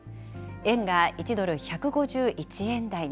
円が１ドル１５１円台に。